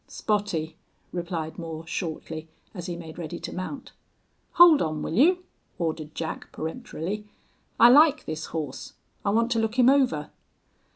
"Spottie," replied Moore, shortly, as he made ready to mount. "Hold on, will you!" ordered Jack, peremptorily. "I like this horse. I want to look him over."